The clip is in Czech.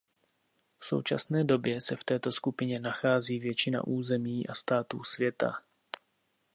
V současné době se v této skupině nachází většina území a států světa.